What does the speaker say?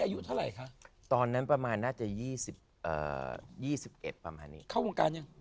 เข้าวงการยัง